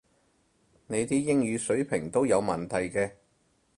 你啲英語水平都有問題嘅